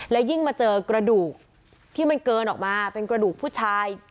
และยิ่งมาเจอกระดูกที่มันเกินออกมาเป็นกระดูกผู้ชาย